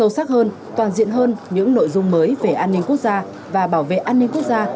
sâu sắc hơn toàn diện hơn những nội dung mới về an ninh quốc gia và bảo vệ an ninh quốc gia